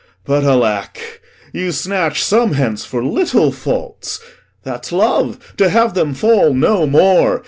But alack, You snatch some hence for little faults; that's love, To have them fall no more.